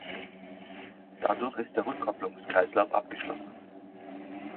Dadurch ist der Rückkopplungskreislauf abgeschlossen.